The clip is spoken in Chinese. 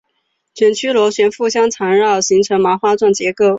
卷曲螺旋互相缠绕形成麻花状结构。